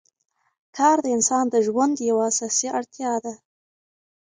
کار د انسان د ژوند یوه اساسي اړتیا ده